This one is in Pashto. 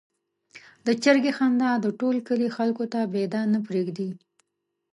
د چرګې خندا د ټول کلي خلکو ته بېده نه پرېږدي.